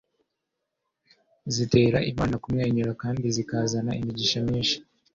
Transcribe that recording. zitera Imana kumwenyura kandi zikazana imigisha myinshi.